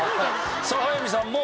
さあ早見さんも。